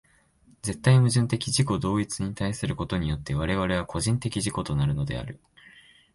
絶対矛盾的自己同一に対することによって我々は個人的自己となるのである。